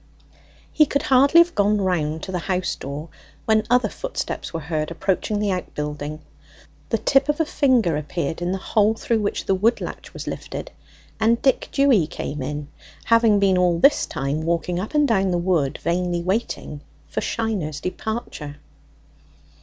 He could hardly have gone round to the house door when other footsteps were heard approaching the outbuilding; the tip of a finger appeared in the hole through which the wood latch was lifted, and Dick Dewy came in, having been all this time walking up and down the wood, vainly waiting for Shiner's departure.